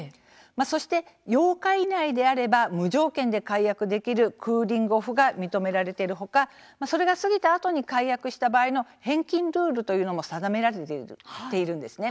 そして、８日以内であれば無条件で解約できるクーリング・オフが認められている他それが過ぎたあとに解約した場合の返金ルールが定められているんですね。